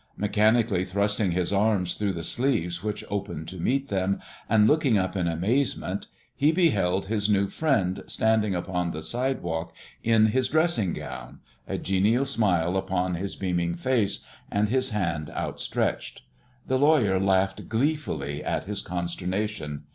Mechanically thrusting his arms through the sleeves which opened to meet them, and looking up in amazement, he beheld his new friend standing upon the sidewalk in his dressing gown, a genial smile upon his beaming face, and his hand outstretched. The lawyer laughed gleefully at his consternation.